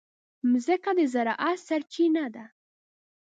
مځکه د زراعت سرچینه ده.